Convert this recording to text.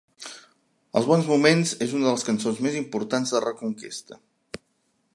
Els Bons Moments és una de les cançons més importants de Reconquesta